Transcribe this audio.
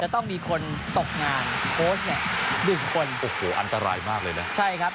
ต้องมีคนตกงานโค้ชเนี่ยหนึ่งคนโอ้โหอันตรายมากเลยนะใช่ครับ